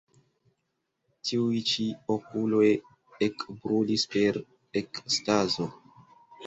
Tiuj ĉi okuloj ekbrulis per ekstazo.